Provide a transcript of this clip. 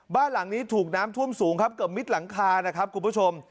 บ้านหลังนี้ถูกน้ำท่วมสูงครับเกือบมิดหลังคานะครับคุณผู้ชม